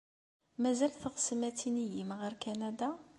Mazal teɣsem ad tinigem ɣer Kanada?